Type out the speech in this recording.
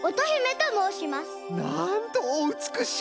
なんとおうつくしい！